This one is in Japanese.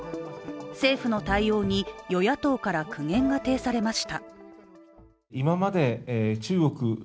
政府の対応に与野党から苦言が呈されました。